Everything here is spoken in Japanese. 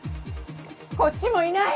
こっちもいない。